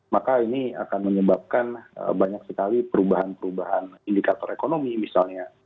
maka ini akan menyebabkan banyak sekali perubahan perubahan indikator ekonomi misalnya